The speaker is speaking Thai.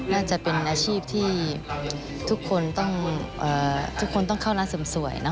น่าจะเป็นอาชีพที่ทุกคนต้องเข้าร้านเสริมสวย